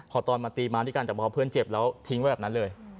พอตอนมาตรีมาเพื่อนเห็นเจ็บแล้วทิ้งไว้แบบนั้นเลย